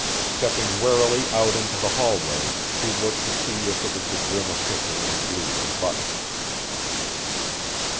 Stepping warily out into the hallway, he looked to see if it was the grim official in blue and buttons.